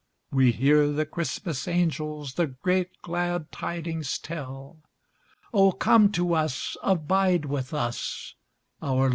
We hear the Christmas angels The great glad tidings tell; O come to us, abide with us, Our Lord Emmanuel!